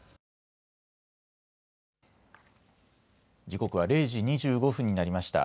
時刻は０時２５分になりました。